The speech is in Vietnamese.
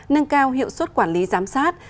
nâng cao hiệu suất quản lý giám sát